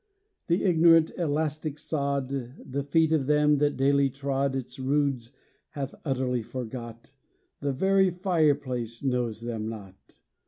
The ignorant, elastic sod The feet of them that daily trod Its roods hath utterly forgot: The very fire place knows them not.